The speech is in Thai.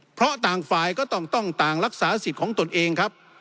เพราะต่างฝ่ายก็ต้องต่างรักษาสิทธิ์ของตนเองครับ